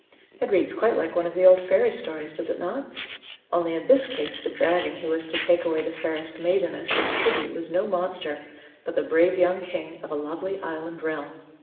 It reads quite like one of the old fairy stories, does it not? Only in this case the dragon who was to take away the fairest maiden as his tribute was no monster, but the brave young king of a lovely island realm.